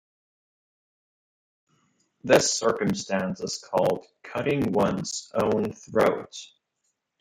This circumstance is called "cutting one's own throat".